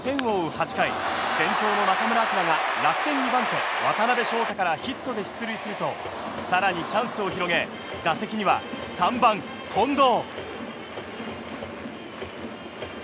８回先頭の中村晃が楽天２番手、渡辺翔太からヒットで出塁すると更にチャンスを広げ打席には３番、近藤。